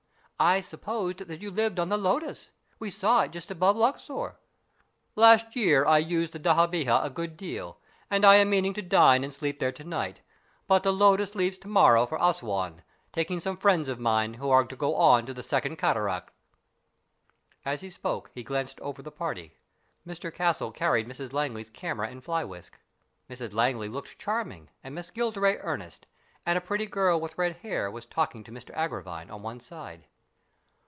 I supposed that you lived on the Lotus. We saw it just above Luxor." " Last year I used the dahabeeyah a good deal, and I am meaning to dine and sleep there to night ; but the Lotus leaves to morrow for Assouan, BURDON'S TOMB 75 taking some friends of mine who are to go on to the Second Cataract." As he spoke he glanced over the party. Mr Castle carried Mrs Langley's camera and fly whisk. Mrs Langley looked charming and Miss Gilderay earnest, and a pretty girl with red hair was talking to Mr Agravine on one side.